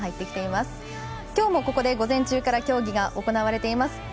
きょうもここで午前中から競技が行われています。